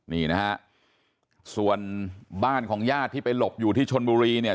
นี่นะฮะส่วนบ้านของญาติที่ไปหลบอยู่ที่ชนบุรีเนี่ย